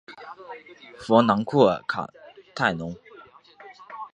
弗朗库尔卡泰隆。